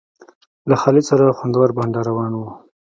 له خالد سره خوندور بنډار روان و.